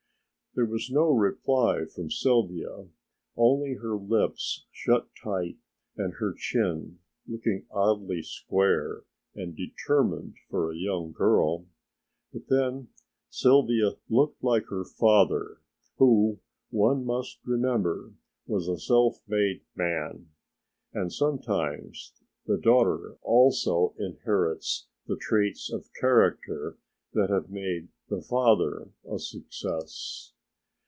There was no reply from Sylvia, only her lips shut tight and her chin looked oddly square and determined for a young girl. But then Sylvia looked like her father, who, one must remember, was a self made man. And sometimes the daughter also inherits the traits of character that have made the father a success.